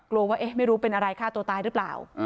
กลัวว่าไม่รู้เป็นอะไรฆ่าตัวตายหรือเปล่า